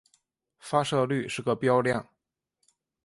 发射率是个标量。